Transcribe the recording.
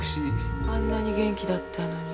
あんなに元気だったのに。